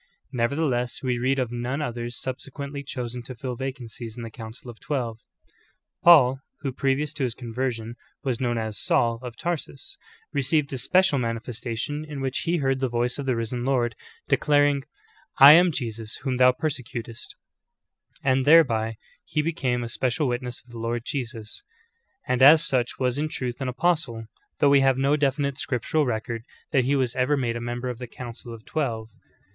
Nevertheless, w^e read of none others subsequently chosen to fill vacancies in the council of twelve. Paul, who previous to his conversion was known as Saul of Tarsus, received a special manifestation, in which he heard the voice of the Risen Lord declaring ''I am Jesus whom thou persecutest,"^ and thereby he be came a special witness of the Lord Jesus, and as such was in truth an apostle, though we have no definite scriptural record that he was ever made a member of the council of twelve.